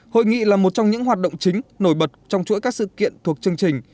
hội nghị là một trong những hoạt động chính nổi bật trong chuỗi các sự kiện thuộc chương trình